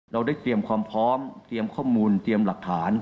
เราได้เตรียมความพร้อมเตรียมข้อมูลเตรียมหลักฐาน